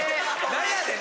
何やねん？